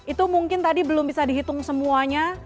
itu mungkin tadi belum bisa dihitung semuanya